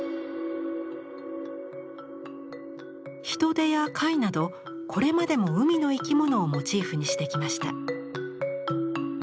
ヒトデや貝などこれまでも海の生き物をモチーフにしてきました。